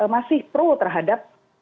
masih pro terhadap